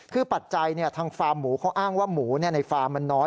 คือปัจจัยทางฟาร์มหมูเขาอ้างว่าหมูในฟาร์มมันน้อย